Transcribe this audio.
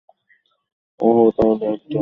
ওহ, তাহলে একটা কাজ আছে।